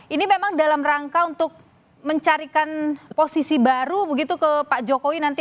ini memang dalam rangka untuk mencarikan posisi baru begitu ke pak jokowi nanti